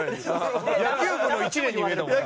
野球部の１年に見えたもんな。